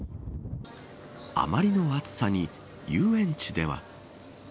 あまりの暑さに遊園地では。